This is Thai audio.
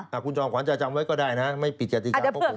ถ้าคุณจอห์มขวัญจะจำไว้ก็ได้นะไม่ปิดยัตริการของผม